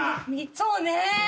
そうね。